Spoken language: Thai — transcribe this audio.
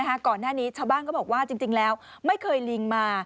ก่อนหน้านี้ชาวบ้านก็บอกว่าจริงแล้วไม่เคยลิงมา